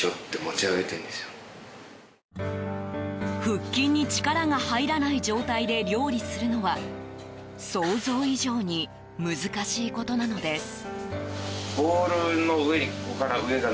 腹筋に力が入らない状態で料理するのは想像以上に難しいことなのです。